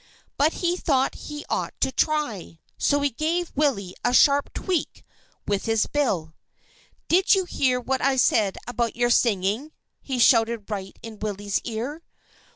But he thought he ought to try; so he gave Willie a sharp tweak with his bill. "Did you hear what I said about your singing?" he shouted right in Willie's ear.